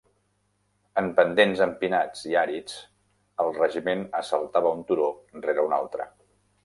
En pendents empinats i àrids, el regiment assaltava un turó rere un altre.